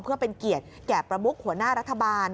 เพื่อเป็นเกียรติแก่ประมุกหัวหน้ารัฐบาล